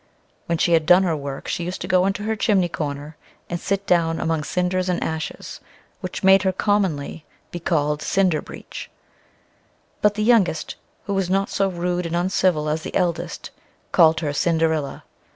When she had done her work, she used to go into the chimney corner, and sit down among cinders and ashes, which made her commonly be called Cinder breech; but the youngest, who was not so rude and uncivil as the eldest, called her Cinderilla.